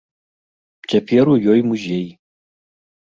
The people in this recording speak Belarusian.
Цяпер у ёй музей.